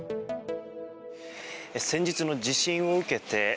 先日の地震を受けて。